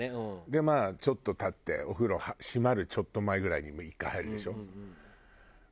でまあちょっと経ってお風呂閉まるちょっと前ぐらいにもう１回入るでしょ。